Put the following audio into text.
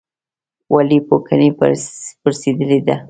ولې پوکڼۍ پړسیدلې ده؟